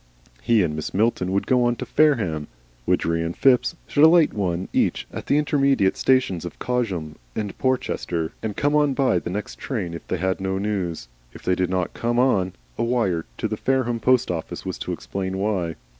He and Mrs. Milton would go to Fareham, Widgery and Phipps should alight one each at the intermediate stations of Cosham and Porchester, and come on by the next train if they had no news. If they did not come on, a wire to the Fareham post office was to explain why.